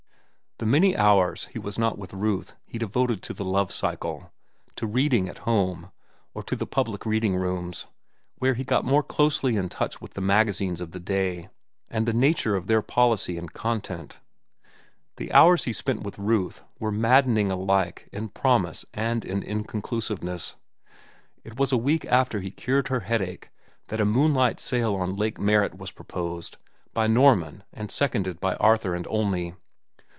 The many hours he was not with Ruth he devoted to the "Love cycle," to reading at home, or to the public reading rooms, where he got more closely in touch with the magazines of the day and the nature of their policy and content. The hours he spent with Ruth were maddening alike in promise and in inconclusiveness. It was a week after he cured her headache that a moonlight sail on Lake Merritt was proposed by Norman and seconded by Arthur and Olney.